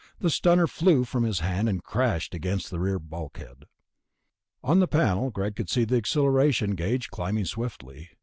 The stunner flew from his hand and crashed against the rear bulkhead. On the panel Greg could see the accelleration gauge climbing swiftly